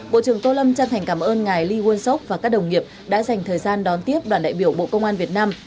bộ trưởng tô lâm chân thành cảm ơn ngài lee won sốc và các đồng nghiệp đã dành thời gian đón tiếp đoàn đại biểu bộ công an việt nam